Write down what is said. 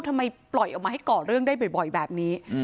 ทำไมปล่อยออกมาให้ก่อเรื่องได้บ่อยแบบนี้